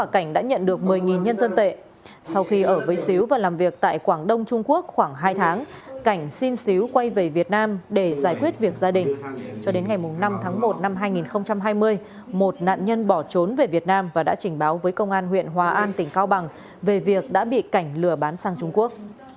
cho đến ngày năm tháng một năm hai nghìn hai mươi một nạn nhân bỏ trốn về việt nam và đã trình báo với công an huyện hòa an tỉnh cao bằng về việc đã bị cảnh lừa bán sang trung quốc